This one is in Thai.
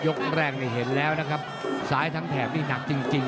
แรกนี่เห็นแล้วนะครับซ้ายทั้งแถบนี่หนักจริงจริง